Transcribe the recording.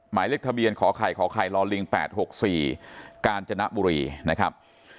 หมายเลขทะเบียนขอไข่ขอไข่ลอลิง๘๖๔กาญจนบุรีนะครับ